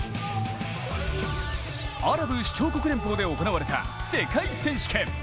アラブ首長国連邦で行われた世界選手権。